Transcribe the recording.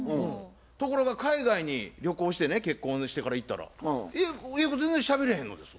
ところが海外に旅行してね結婚してから行ったら英語全然しゃべれへんのですわ。